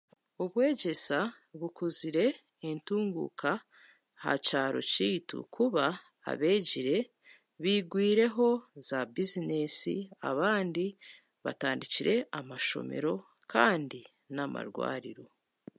Obwegyesa bukuzire entunguuka aha kyaro kyaitu kuba abeegire baigwireho za bizineesi abandi batandikire amashomero kandi n'amarwariro.